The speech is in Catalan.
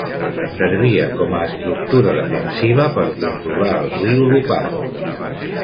Servia com a estructura defensiva per controlar el riu Lupar.